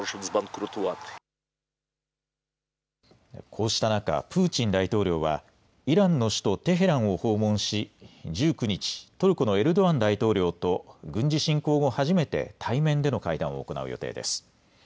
こうした中、プーチン大統領はイランの首都テヘランを訪問し１９日、トルコのエルドアン大統領と軍事侵攻後、初めて対面での会談を行う予定です。